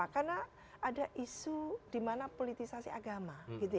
karena ada isu di mana politisasi agama